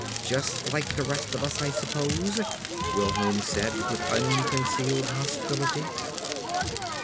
"Just like the rest of us, I suppose," Wilholm said with unconcealed hostility.